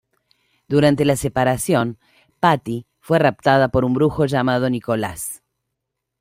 Durante la separación, Patty fue raptada por un brujo llamado Nicholas.